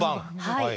はい。